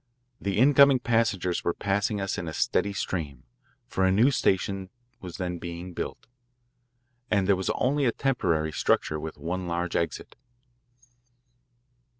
The incoming passengers were passing us in a steady stream, for a new station was then being built, and there was only a temporary structure with one large exit.